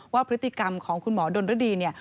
ว่าพฤติกรรมของคุณหมอดนรดีเนี่ย